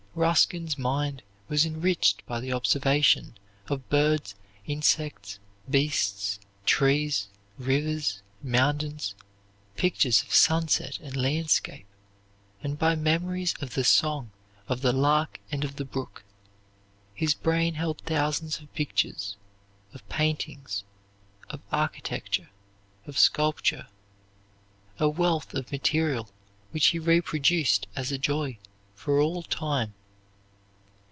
Ruskin's mind was enriched by the observation of birds, insects, beasts, trees, rivers, mountains, pictures of sunset and landscape, and by memories of the song of the lark and of the brook. His brain held thousands of pictures of paintings, of architecture, of sculpture, a wealth of material which he reproduced as a joy for all time.